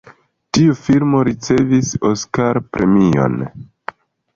Tiu filmo ricevis Oskar-premion.